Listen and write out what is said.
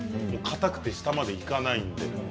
かたくて下までいかないので。